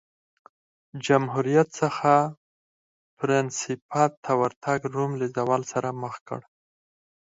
جمهوریت څخه پرنسیپات ته ورتګ روم له زوال سره مخ کړ